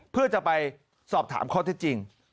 เพื่อจะไปสอบถามข้อเท็จจริง